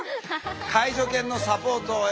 介助犬のサポートを得てですね